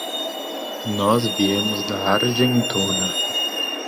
Nós viemos da Argentona.